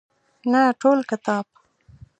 نه ټول کتاب.